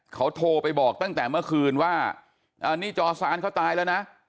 เขาโทรไปบอกตั้งแต่เมื่อคืนว่านี่จอซานเขาตายแล้วนะ